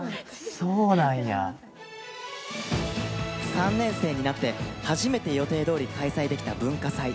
３年生になって、初めて予定どおり開催できた文化祭。